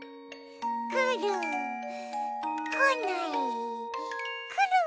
くるこないくる！